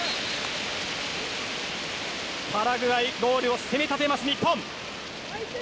パラグアイゴールを攻めたてます、日本。